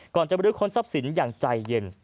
ก่อนจะบริค้นทรัพย์สินอย่างใจเย็น